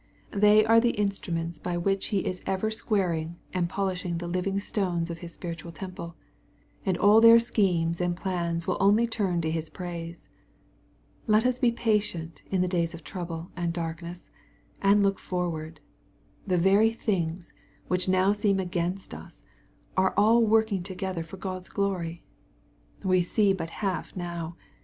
— They are the instruments by which He is ever squaring and polishing the living stones of His spiritual temple, and all their schemes and plans will only turn to His praise. Let us be patient in the days of trouble and darkness, and look forward. The very things which now seem against us, are all working together for God's glory. We see but half now.